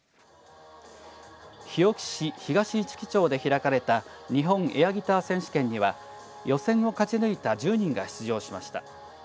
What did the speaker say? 日置市東市来町で開かれた日本エアギター選手権には予選を勝ち抜いた１０人が出場しました。